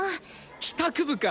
帰宅部か。